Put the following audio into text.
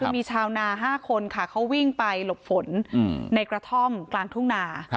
คือมีชาวนา๕คนค่ะเขาวิ่งไปหลบฝนในกระท่อมกลางทุ่งนา